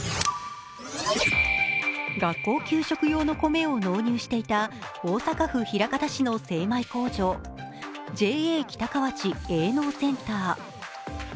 学校給食用の米を納入していた大阪府枚方市の精米工場、ＪＡ北河内営農センター。